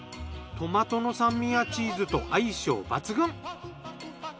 トマトの酸味やチーズと相性抜群！